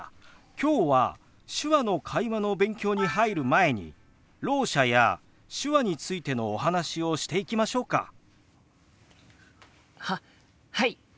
今日は手話の会話の勉強に入る前にろう者や手話についてのお話をしていきましょうか。ははい！